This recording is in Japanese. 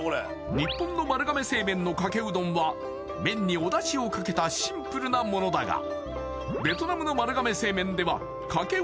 日本の丸亀製麺のかけうどんは麺におだしをかけたシンプルなものだがベトナムの丸亀製麺ではかけう